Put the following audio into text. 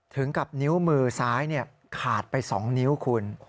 ถึงกับนิ้วมือซ้ายเนี่ยขาดไปสองนิ้วคุณ